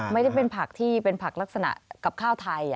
ไม่ได้เป็นผักที่เป็นผักลักษณะกับข้าวไทย